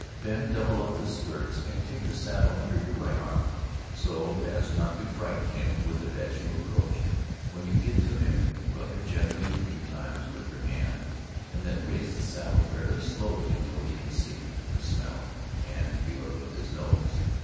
Then double up the skirts and take the saddle under your right arm, so as not to frighten him with it as you approach. When you get to him, rub him gently a few times with your hand, and then raise the saddle very slowly until he can see it, and smell, and feel it with his nose.